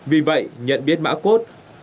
vì vậy nhận biết barcode